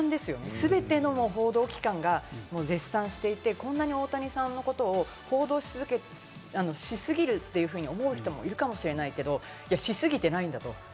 全ての報道機関が絶賛していて、こんなに大谷さんのことを報道し続ける、報道し過ぎるって思うかもしれないけれど、し過ぎてないんだと。